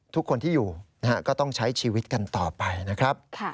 ทุกคนที่อยู่ก็ต้องใช้ชีวิตกันต่อไปนะครับ